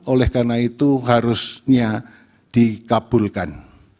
oleh karena itu harusnya dikabulkan